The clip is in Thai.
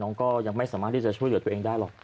ก็ยังไม่สามารถที่จะช่วยเหลือตัวเองได้หรอก